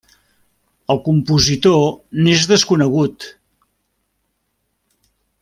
El compositor n'és desconegut.